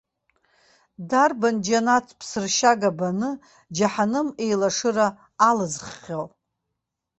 Дарбан џьанаҭ ԥсыршьага баны, џьаҳаным еилашыра алызххьоу?